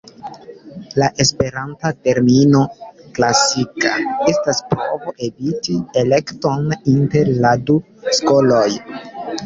La esperanta termino "klasika" estas provo eviti elekton inter la du skoloj.